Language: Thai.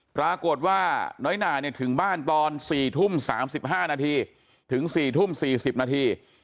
ปรากฏว่าน้อยนาเนี่ยถึงบ้านตอนสี่ทุ่มสามสิบห้านาทีถึงสี่ทุ่มสี่สิบนาที